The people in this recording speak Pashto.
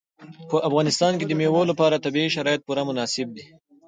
په افغانستان کې د مېوو لپاره طبیعي شرایط پوره مناسب دي.